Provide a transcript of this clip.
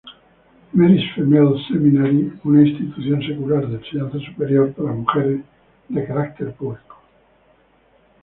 Mary's Female Seminary, una institución secular de enseñanza superior para mujeres de carácter público.